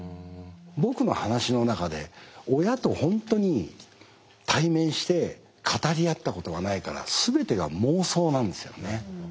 僕の話の中で親と本当に対面して語り合ったことはないから全てが妄想なんですよね。